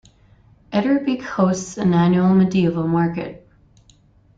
Etterbeek hosts an annual medieval market.